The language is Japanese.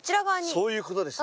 そういうことですね。